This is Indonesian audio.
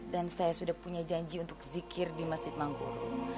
dan saya sudah punya janji untuk zikir di masjid manggul